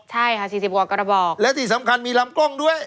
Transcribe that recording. ใช่ค่ะสี่สิบกว่ากระบอกและที่สำคัญมีลำกล้องด้วย